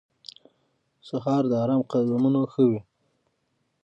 سهار د آرام قدمونه ښووي.